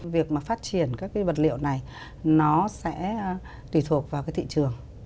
việc mà phát triển các cái vật liệu này nó sẽ tùy thuộc vào cái thị trường